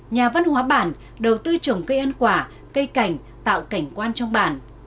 nhà văn hóa bản đầu tư trồng cây ăn quả cây cảnh tạo cảnh quan trong bản